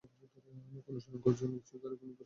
আমাকে অনুসরণ করছ নিশ্চয় ঘাড়ে কোন দোষ চাপাতে।